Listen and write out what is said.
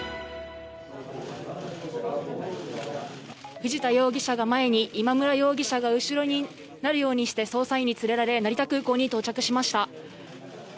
藤田容疑者が前に今村容疑者が後ろになるようにして捜査員に連れられ成田空港に到着しました。